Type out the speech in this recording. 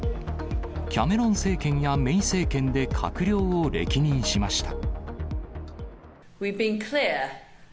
キャメロン政権やメイ政権で閣僚を歴任しました。